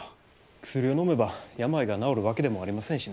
薬をのめば病が治るわけでもありませんしね。